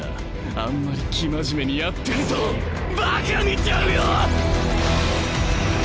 あんまり生真面目にやってるとバカ見ちゃうよ！